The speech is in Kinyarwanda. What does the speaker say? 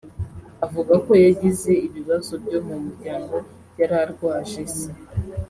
avuga ko yagize ibibazo byo mu muryango yari arwaje se